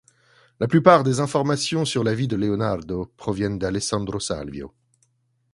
La plupart des informations sur la vie de Leonardo proviennent de Alessandro Salvio.